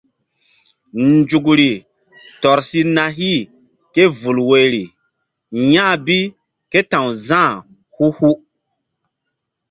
Nzukri tɔr si na hih ké vul woiri ya̧h bi ké ta̧w Za̧h hu hu.